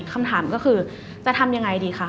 คำถามก็คือจะทำยังไงดีคะ